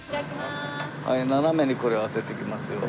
はい斜めにこれを当てていきますよ。